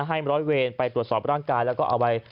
ร้อยเวรไปตรวจสอบร่างกายแล้วก็เอาไว้